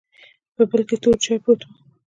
په بل کې تور چاې پروت و.